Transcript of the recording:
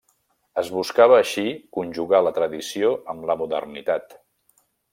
Es buscava així conjugar la tradició amb la modernitat.